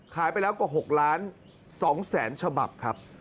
ขายไปแล้วกว่า๖ล้าน๒แสนฉบับครับ